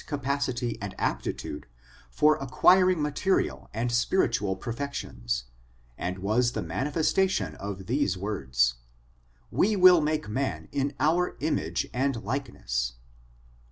P 226 SOME ANSWERED QUESTIONS acquiring material and spiritual perfections, and was the manifestation of these words, ' We will make man in Our image and likeness.'